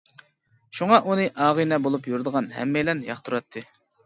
شۇڭا ئۇنى ئاغىنە بولۇپ يۈرىدىغان ھەممەيلەن ياقتۇراتتى.